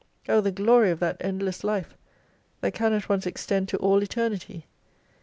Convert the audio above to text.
O the glory of that endless life, that can at once extend to all Eternity !